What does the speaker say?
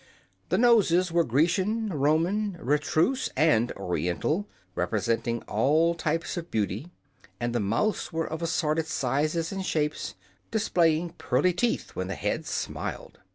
The noses were Grecian, Roman, retrousse and Oriental, representing all types of beauty; and the mouths were of assorted sizes and shapes, displaying pearly teeth when the heads smiled.